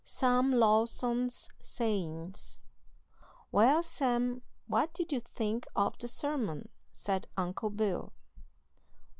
SAM LAWSON'S SAYINGS. "Well, Sam, what did you think of the sermon?" said Uncle Bill.